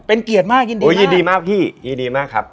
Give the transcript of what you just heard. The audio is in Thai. เป็นเกียรติมากยินดีมาก